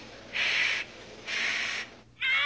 ああ！